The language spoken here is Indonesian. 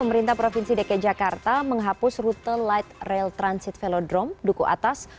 pemerintah provinsi dki jakarta menghapus rute light rail transit velodrome duku atas